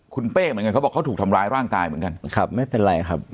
คุณเป้เหมือนกันเขาบอกเขาถูกทำร้ายร่างกายเหมือนกันครับไม่เป็นไรครับ